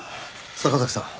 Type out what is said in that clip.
坂崎さん。